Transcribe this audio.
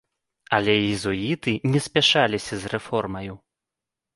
Але езуіты не спяшаліся з рэформаю.